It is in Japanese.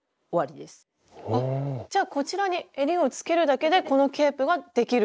じゃあこちらにえりをつけるだけでこのケープができる？